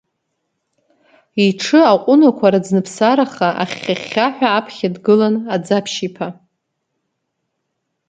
Иҽы аҟәынақәа раӡныԥсараха, ахьхьа-хьхьаҳәа аԥхьа дгылан Аӡаԥшь-иԥа.